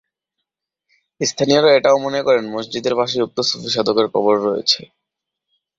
স্থানীয়রা এটাও মনে করেন মসজিদের পাশেই উক্ত সুফি সাধকের কবর রয়েছে।